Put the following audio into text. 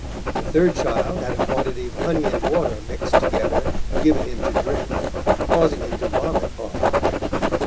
The third child had a quantity of honey and water mixed together given him to drink, causing him to vomit often.